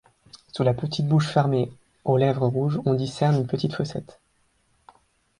Sous la petite bouche fermée aux lèvres rouges on discerne une petite fossette.